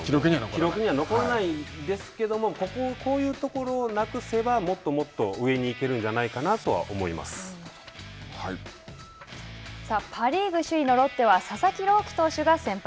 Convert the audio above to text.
記録には残らないんですけれども、ここを、こういうところをなくせば、もっともっと上に行けるんじパ・リーグ首位のロッテは佐々木朗希投手が先発。